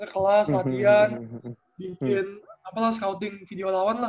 kelas latihan bikin scouting video lawan lah